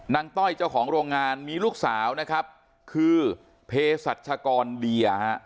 ต้อยเจ้าของโรงงานมีลูกสาวนะครับคือเพศรัชกรเดียฮะ